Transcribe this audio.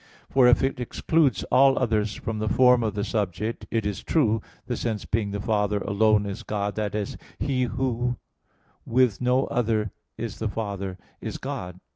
For if it exclude (all others) from the form of the subject, it is true, the sense being "the Father alone is God" that is, "He who with no other is the Father, is God."